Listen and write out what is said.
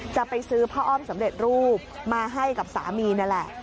จะไปซื้อผ้าอ้อมสำเร็จรูปมาให้กับสามีนั่นแหละ